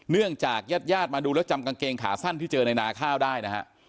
เนื่องจากญาติญาติมาดูแล้วจำกางเกงขาสั้นที่เจอในนาข้าวได้นะฮะ